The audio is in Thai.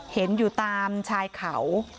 เห็นอยู่ตามชายเขา